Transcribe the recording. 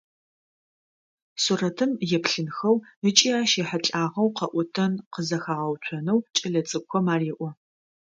Сурэтым еплъынхэу ыкӏи ащ ехьылӏагъэу къэӏотэн къызэхагъэуцонэу кӏэлэцӏыкӏухэм ареӏо.